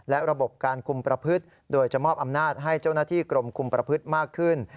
และระบบการคุมประพฤติโดยจะมอบอำนาจให้เจ้าหน้าที่กรมคุมประพฤติมากขึ้น